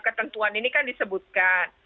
ketentuan ini kan disebutkan